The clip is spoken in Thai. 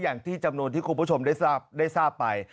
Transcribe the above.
อย่างที่จำนวนที่คุณผู้ชมได้ทราบไป